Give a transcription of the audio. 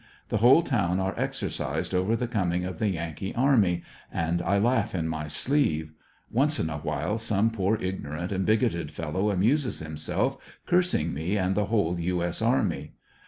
The whole town are exercised over the coming of the Yankee army, and I laugh in my sleeve. Once in a while some poor ignorant and bigoted fellow amuses himself cursing me and the whole U, S. army.